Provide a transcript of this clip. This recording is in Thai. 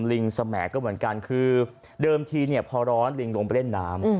ลิงสมัยก็เหมือนกันคือเดิมทีเนี่ยพอร้อนลิงลงไปเล่นน้ำ